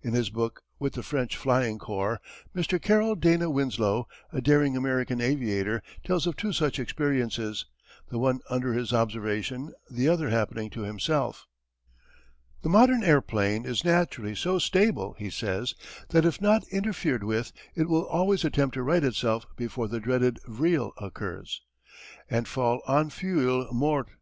In his book, With the French Flying Corps, Mr. Carroll Dana Winslow, a daring American aviator, tells of two such experiences, the one under his observation, the other happening to himself: The modern airplane is naturally so stable [he says] that if not interfered with it will always attempt to right itself before the dreaded vrille occurs, and fall en feuille morte.